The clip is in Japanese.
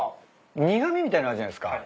苦味みたいのあるじゃないっすか。